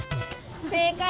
正解！